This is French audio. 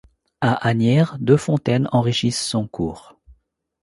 À Asnières, deux fontaines enrichissent son cours.